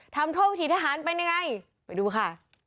ทำโทษวิถีทหารเป็นยังไงไปดูค่ะ